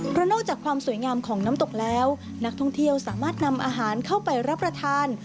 เพราะนอกจากความสวยงามของน้ำตกแล้วนักท่องเที่ยวสามารถนำอาหารเข้าไปรับประทาน